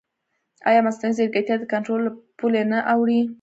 ایا مصنوعي ځیرکتیا د کنټرول له پولې نه اوړي؟